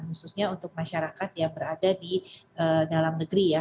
khususnya untuk masyarakat yang berada di dalam negeri ya